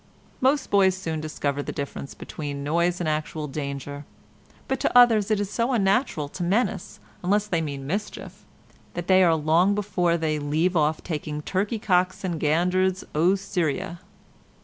Most boys soon discover the difference between noise and actual danger, but to others it is so unnatural to menace, unless they mean mischief, that they are long before they leave off taking turkey cocks and ganders au sérieux.